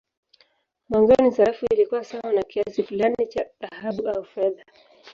Mwanzoni sarafu ilikuwa sawa na kiasi fulani cha dhahabu au fedha.